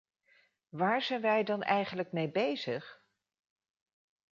Waar zijn wij dan eigenlijk mee bezig?